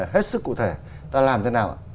hết sức cụ thể ta làm thế nào ạ